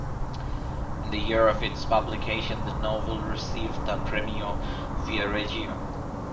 In the year of its publication the novel received the Premio Viareggio.